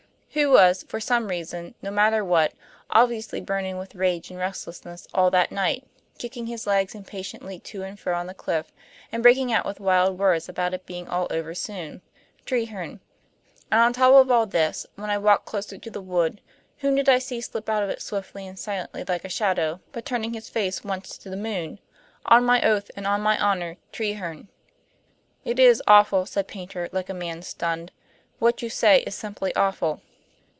Who was, for some reason, no matter what, obviously burning with rage and restlessness all that night, kicking his legs impatiently to and fro on the cliff, and breaking out with wild words about it being all over soon? Treherne. And on top of all this, when I walked closer to the wood, whom did I see slip out of it swiftly and silently like a shadow, but turning his face once to the moon? On my oath and on my honor Treherne." "It is awful," said Paynter, like a man stunned. "What you say is simply awful."